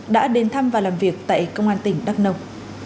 đã đến thăm và làm việc tại công an tỉnh đắk nông